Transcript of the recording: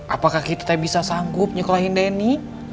apakah kita bisa sanggup nyekolahin denny